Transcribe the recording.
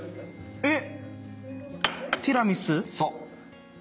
えっ？